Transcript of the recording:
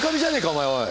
お前おい！